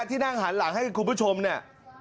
ที่นั่งหันหลังให้คุณผู้ชมเนี่ย